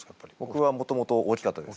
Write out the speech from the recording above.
僕はもともと大きかったです。